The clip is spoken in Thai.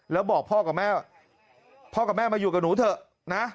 แล้วบอกพ่อกับแม่ว่าพ่อกับแม่มาอยู่กับหนูเถอะนะ